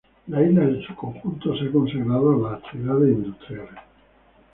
La isla en su conjunto se ha consagrado a las actividades industriales.